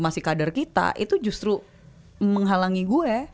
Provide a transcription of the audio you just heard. masih kader kita itu justru menghalangi gue